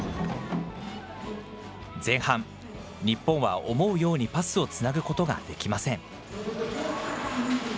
前半、日本は思うようにパスをつなぐことができません。